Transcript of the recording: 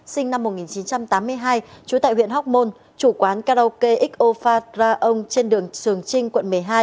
sinh năm một nghìn chín trăm tám mươi hai trú tại huyện hóc môn chủ quán karaoke xo phát ra ông trên đường sường trinh quận một mươi hai